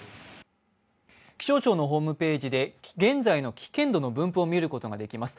気象庁のホームページで現在の危険度の分布を見ることができます。